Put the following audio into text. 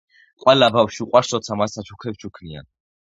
ყველა ბავშვს უყვარს როცა მათ საჩუქრებს ჩუქნიან